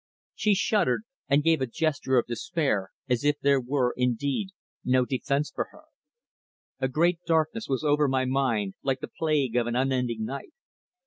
She shuddered and gave a gesture of despair as if there were, indeed, no defence for her. A great darkness was over my mind like the plague of an unending night.